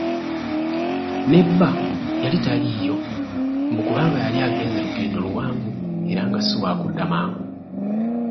Ne bba yali taliiyo mbu kubanga yali agenze lugendo luwanvu era nga si wakudda mangu.